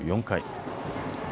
４回。